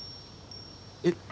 えっ？